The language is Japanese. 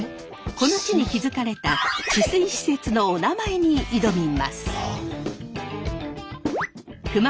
この地に築かれた治水施設のおなまえに挑みます。